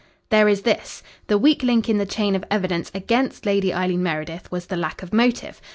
"There is this. The weak link in the chain of evidence against Lady Eileen Meredith was the lack of motive.